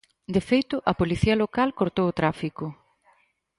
De feito, a policía local cortou o tráfico.